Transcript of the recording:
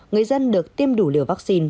người dân được tiêm đủ liều vaccine